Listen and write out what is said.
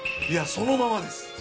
いやそのままです。